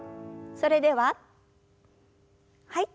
それでははい。